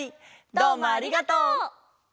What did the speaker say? どうもありがとう！